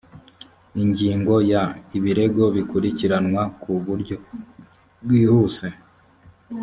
ingingo ya ibirego bikurikiranwa ku buryo bwihuse